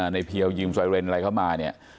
เพียวยืมไซเรนอะไรเข้ามาเนี่ย